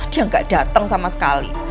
dia gak datang sama sekali